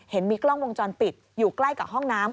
เห็นมีกล้องวงจรปิดอยู่ใกล้กับห้องน้ำ